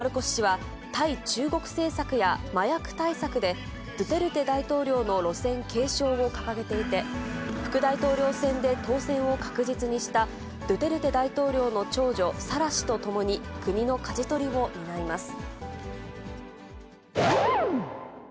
マルコス氏は、対中国政策や麻薬対策で、ドゥテルテ大統領の路線継承を掲げていて、副大統領選で当選を確実にしたドゥテルテ大統領の長女、サラ氏と共に、国のかじ取りを担います。